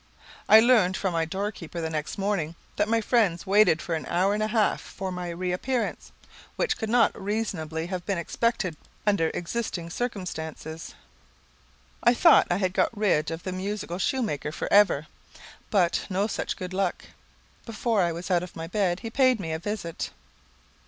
I learned from my doorkeeper the next morning, that my friends waited for an hour and a half for my reappearance, which could not reasonably have been expected under existing circumstances. I thought I had got rid of the musical shoemaker for ever, but no such good luck. Before I was out of my bed, he paid me a visit.